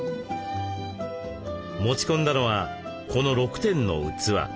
持ち込んだのはこの６点の器。